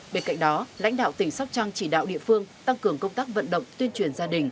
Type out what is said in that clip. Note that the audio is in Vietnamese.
bên cạnh đó lãnh đạo tỉnh sóc trăng chỉ đạo địa phương tăng cường công tác vận động tuyên truyền gia đình